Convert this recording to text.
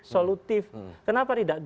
solutif kenapa tidak